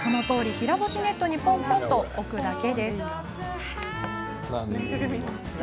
平干しネットにポンポンと置いていくだけ。